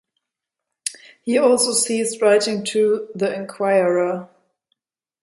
He also ceased writing to "The Inquirer".